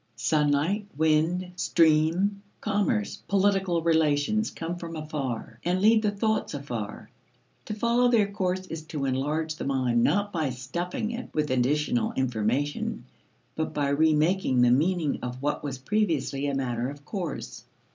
Sunlight, wind, stream, commerce, political relations come from afar and lead the thoughts afar. To follow their course is to enlarge the mind not by stuffing it with additional information, but by remaking the meaning of what was previously a matter of course.